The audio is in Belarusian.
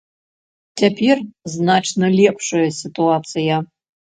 Цяпер значна лепшая сітуацыя.